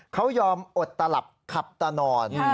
เขายอมอดตลับขับตานอน